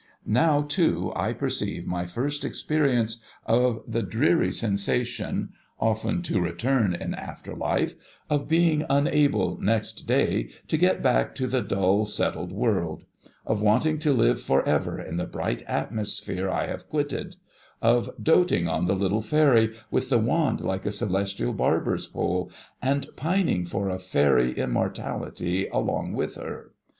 Now, too, I perceive my first experience of the dreary sensation — often to return in after life— of being unable, next day, to get back to the dull, settled world ; of wanting to live for ever in the bright atmosphere I have quitted ; of doting on the little Fairy, with the wand like a celestial Barber's Pole, and pining for a Fairy immortality along with her.